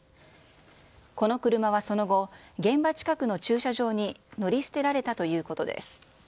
この車はその後、現場近くの駐車場に乗り捨てられたということです。